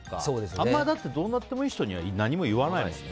あんまりどうなってもいい人には何も言わないもんね。